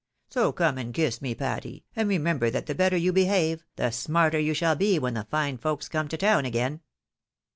So come and kiss me, Patty, and remem ber that the better you behave, the smarter you shall be when the fine folks come to town again."